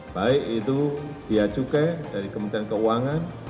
baik itu biaya cukai dari kementerian keuangan